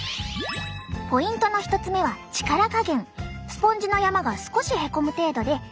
ポイントの１つ目は力加減。